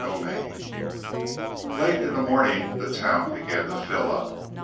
XXII Late in morning the town began to fill up.